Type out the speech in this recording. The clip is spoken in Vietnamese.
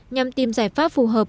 nhằm tìm giải pháp phù hợp